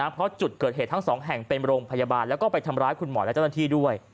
เพราะจุดเกิดเหตุทั้งสองแห่งเป็นโรงพยาบาลแล้วก็ไปทำร้ายคุณหมอและเจ้าหน้าที่ด้วย